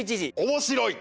面白い！